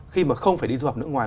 khi mà không phải đi du học nước ngoài